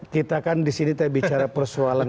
kita kan disini bicara persoalan